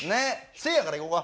せいやからいこうか。